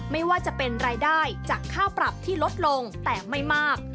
ไม่ว่าจะเป็นรายได้จากค่าปรับที่ลดลงแต่ไม่มาก